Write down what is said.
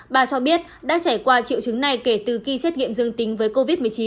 bà cho biết đã trải qua triệu chứng này kể từ khi xét nghiệm dương tính với covid một mươi chín